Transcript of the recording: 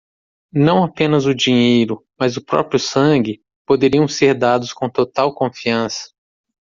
Não apenas o dinheiro, mas o próprio sangue, poderiam ser dados com total confiança.